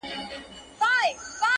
• ځوان لکه مړ چي وي.